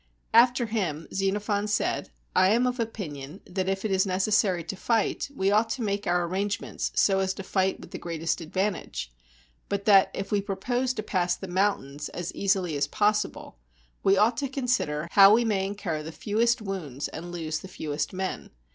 After him Xenophon said, "I am of opinion that if it is necessary to fight, we ought to make our arrange ments so as to fight with the greatest advantage; but that, if we propose to pass the mountains as easily as possible, we ought to consider how we may incur the fewest wounds and lose the fewest men.